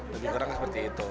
lebih kurang seperti itu